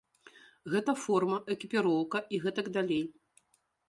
Гэта форма, экіпіроўка і гэтак далей.